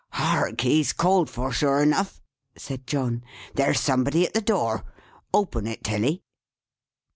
"Hark! He's called for, sure enough," said John. "There's somebody at the door. Open it, Tilly."